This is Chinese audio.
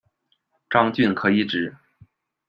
张峻可以指：